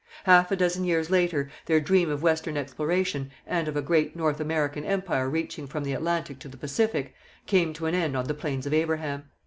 Half a dozen years later their dream of western exploration, and of a great North American empire reaching from the Atlantic to the Pacific, came to an end on the Plains of Abraham.